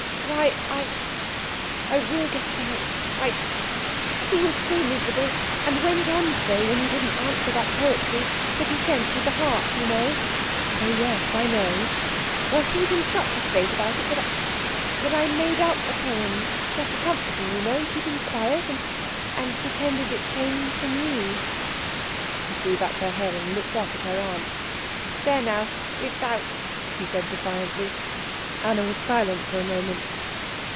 "Why, I I will get it out I he was so miserable, and went on so when you didn't answer that poetry that he sent with the heart, you know " "Oh yes, I know." "Well, he was in such a state about it that I that I made up a poem, just to comfort him, you know, and keep him quiet, and and pretended it came from you." She threw back her head and looked up at her aunt. "There now, it's out," she said defiantly. Anna was silent for a moment.